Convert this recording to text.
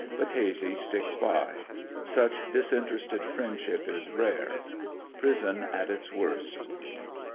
Battese sticks by; such disinterested friendship is rare. Prison at its worst.